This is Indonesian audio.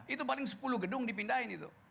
itu paling sepuluh gedung dipindahin itu